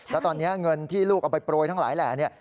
แล้วตอนนี้เงินที่ลูกเอาไปโปรยทั้งหลายแหล่เนี่ย